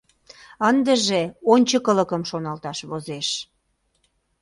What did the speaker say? Ындыже ончыкылыкым шоналташ возеш.